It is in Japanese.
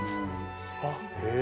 あっへえ。